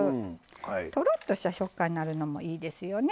とろっとした食感になるのもいいですよね。